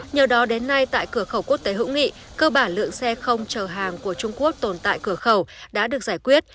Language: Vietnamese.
nhờ đó đến nay tại cửa khẩu quốc tế hữu nghị cơ bản lượng xe không chờ hàng của trung quốc tồn tại cửa khẩu đã được giải quyết